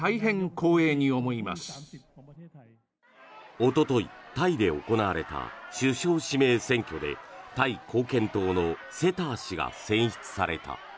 おととい、タイで行われた首相指名選挙でタイ貢献党のセター氏が選出された。